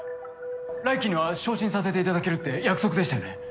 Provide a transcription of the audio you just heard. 来期には昇進させていただけるって約束でしたよね？